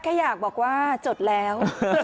แค่อยากบอกว่าจดแล้ว